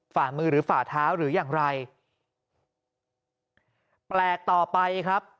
ฝ่ามือหรือฝ่าเท้าหรืออย่างไรแปลกต่อไปครับ